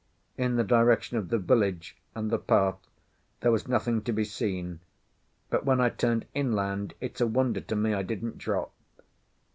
In the direction of the village and the path there was nothing to be seen; but when I turned inland it's a wonder to me I didn't drop.